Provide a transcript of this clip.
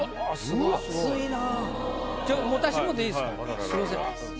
すみません。